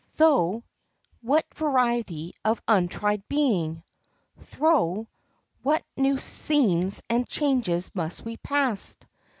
Thro' what variety of untried being, Thro' what new scenes and changes must we pass?